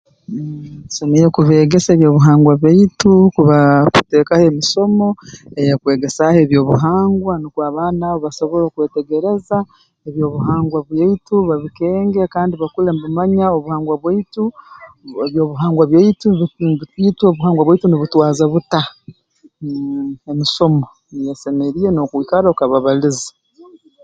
Mmh tusemeriire kubeegesa eby'obuhangwa bwaitu kubaa kuteekaho emisomo eyeekwegesaaho eby'obuhangwa nukwo abaana abo basobole okwetegereza eby'obuhangwa byaitu babikenge kandi bakule mbamanya obuhangwa bwaitu eby'obuhangwa byaitu bu itwe obuhangwa bwaitu nubutwaaza buta mmh emisomo nibyo osemeriire kwikarra okababaliza